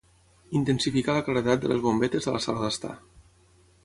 Intensificar la claredat de les bombetes de la sala d'estar.